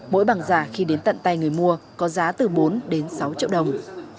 mỗi bằng giả khi đến tận tay người mua có giá từ bốn đến sáu triệu đồng